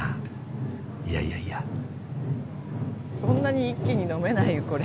そんなに一気に飲めないよこれ。